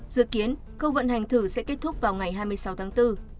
dự kiến khâu vận hành thử sẽ kết thúc vào ngày hai mươi sáu tháng bốn